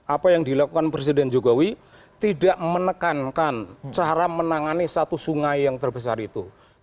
apa yang dilakukan presiden jokowi tidak menekankan cara menangani satu sungai yang terbesar itu